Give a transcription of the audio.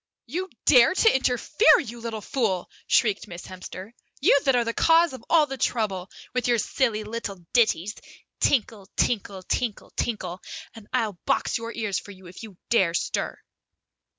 "You dare to interfere, you little fool," shrieked Miss Hemster. "You that are the cause of all the trouble, with your silly little ditties tinkle tinkle tinkle tinkle and I'll box your ears for you if you dare stir!"